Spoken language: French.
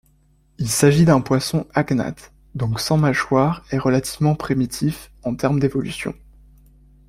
Il s'agit d'un poisson agnathe, donc sans machoire et relativement primitif en termes d'évolution.